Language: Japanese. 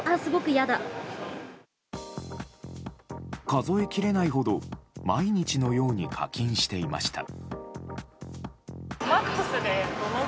数えきれないほど毎日のように課金していました。